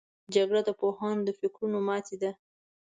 جګړه د پوهانو د فکرونو ماتې ده